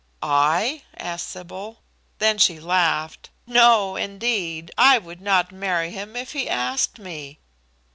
"I?" asked Sybil. Then she laughed. "No, indeed! I would not marry him if he asked me."